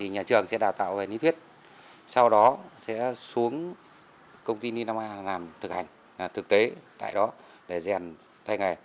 nhà trường sẽ đào tạo về lý thuyết sau đó sẽ xuống công ty ninh năm a làm thực hành thực tế tại đó để dàn thay nghề